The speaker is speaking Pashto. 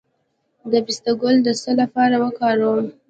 د پسته ګل د څه لپاره وکاروم؟